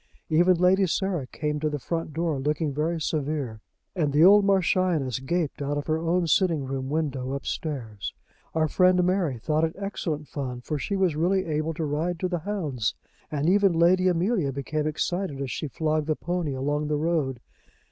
Even Lady Sarah came to the front door, looking very severe, and the old Marchioness gaped out of her own sitting room window upstairs. Our friend Mary thought it excellent fun, for she was really able to ride to the hounds; and even Lady Amelia became excited as she flogged the pony along the road.